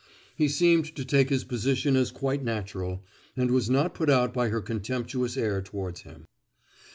He seemed to take his position as quite natural, and was not put out by her contemptuous air towards him.